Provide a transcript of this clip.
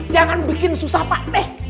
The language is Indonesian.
jangan bikin susah pak